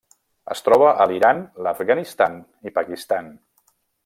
Es troba a l'Iran, l'Afganistan i Pakistan.